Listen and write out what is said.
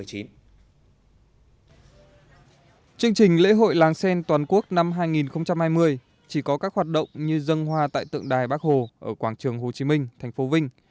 chương trình lễ hội làng sen toàn quốc năm hai nghìn hai mươi chỉ có các hoạt động như dân hoa tại tượng đài bắc hồ ở quảng trường hồ chí minh thành phố vinh